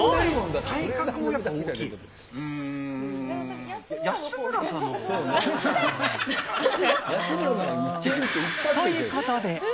体格の影響もやっぱり大きい。ということで。